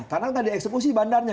karena tadi ekskusi bandarnya